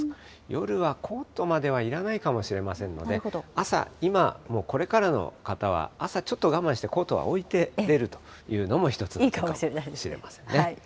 夜はコートまではいらないかもしれませんので、朝、今もうこれからの方は朝ちょっと我慢して、コートは置いて出るというのも、一つの手かもしれませんね。